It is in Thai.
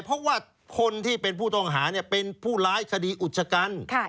เพราะว่าคนที่เป็นผู้ต้องหาเป็นผู้ร้ายคดีอุชกัน